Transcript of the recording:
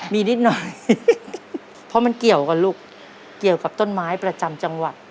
มีนิดหน่อยเพราะมันเกี่ยวกันลูกเกี่ยวกับต้นไม้ประจำจังหวัด